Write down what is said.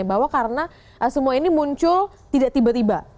bahwa karena semua ini muncul tidak tiba tiba